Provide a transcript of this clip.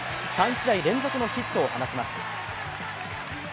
３試合連続のヒットを放ちます。